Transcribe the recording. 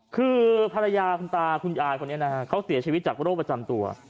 คือภรรยาคุณตาคุณยายคนนี้นะฮะเขาเสียชีวิตจากโรคประจำตัว